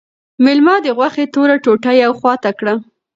مېلمه د غوښې توره ټوټه یوې خواته کړه.